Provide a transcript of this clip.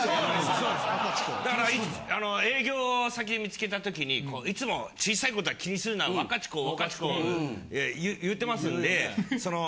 だから営業先見つけた時にいつも「小さいことは気にするなワカチコワカチコ」言うてますんで。